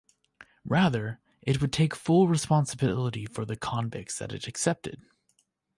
Rather, it would take full responsibility for the convicts that it accepted.